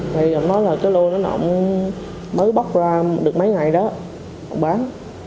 thì ông nói là cái lô nó nọng mới bóc ra được mấy ngày đó bán